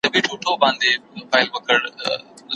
چي تر کور پوري به وړي د سپیو سپکه